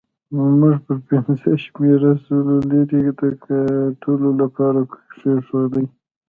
موږ پر پنځمه شمېره سلو لیرې د ګټلو لپاره کېښودې.